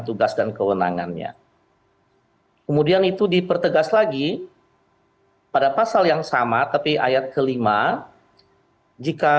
tugas dan kewenangannya kemudian itu dipertegas lagi pada pasal yang sama tapi ayat kelima jika